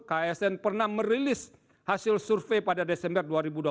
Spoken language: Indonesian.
ksn pernah merilis hasil survei pada desember dua ribu dua puluh